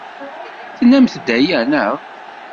Tennamt-d aya, naɣ?